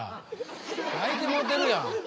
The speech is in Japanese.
泣いてもうてるやん。